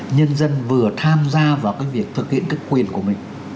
nhân dân vừa tham gia vào việc thực hiện quyền của mình